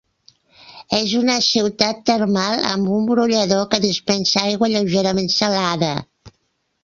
És una ciutat termal, amb un brollador que dispensa aigua lleugerament salada.